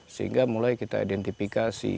sehingga mulai kita identifikasi